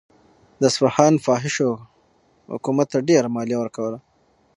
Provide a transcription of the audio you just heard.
د اصفهان فاحشو حکومت ته ډېره مالیه ورکوله.